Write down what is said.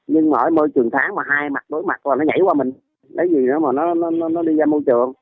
nhưng mà ở môi trường tháng mà hai mặt đối mặt là nó nhảy qua mình đấy gì nữa mà nó đi ra môi trường